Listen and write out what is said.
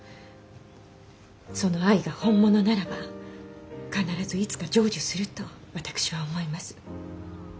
その愛が本物ならば必ずいつか成就すると私は思います。